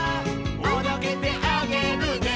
「おどけてあげるね」